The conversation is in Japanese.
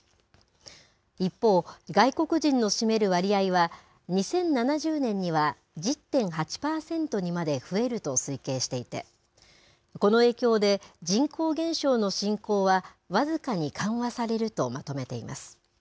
一方、外国人の占める割合は２０７０年には１０．８％にまで増えると推計していて、この影響で、人口減少の進行は僅かに緩和されるとまとめています。